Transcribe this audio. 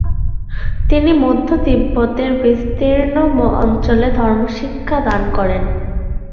তিনি মধ্য তিব্বতের বিস্তীর্ন অঞ্চলে ধর্মশিক্ষা দান করেন।